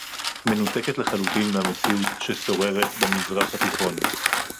מנותקת לחלוטין מהמציאות ששוררת במזרח התיכון